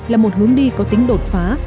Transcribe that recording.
là một hướng đi có tính đột phá